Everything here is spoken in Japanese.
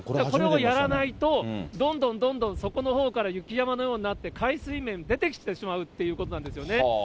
これをやらないと、どんどんどんどん底のほうから雪山のようになって、海水面、出てきてしまうということなんですよね。